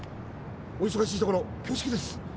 お忙しいところ恐縮です。